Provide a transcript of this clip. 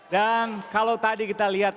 dan kalau tadi kita lihat